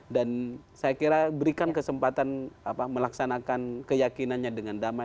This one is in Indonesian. dan saya kira berikan kesempatan melaksanakan keyakinannya dengan damai